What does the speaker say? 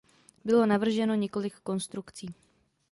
Bylo navrženo několik konstrukcí.